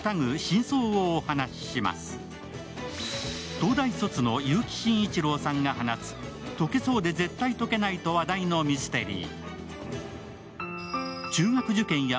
東大卒の結城真一郎さんが放つ解けそうで絶対解けないと話題のミステリー。